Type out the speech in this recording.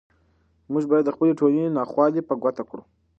موږ باید د خپلې ټولنې ناخوالې په ګوته کړو.